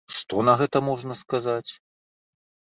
Што на гэта можна сказаць?